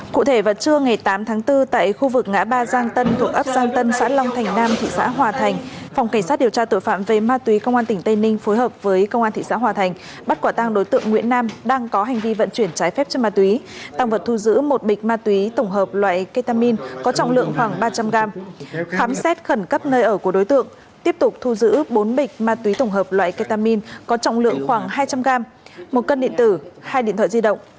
cụ thể vào ngày một mươi hai tháng bốn phòng cảnh sát điều tra tội phạm về ma túy công an tỉnh tây ninh cho biết đang tạm giữ hình sự đối tượng nguyễn nam ba mươi sáu tuổi chú tẻ xã an ninh huyện đức hòa tỉnh long an để điều tra về làm rõ hành vi trên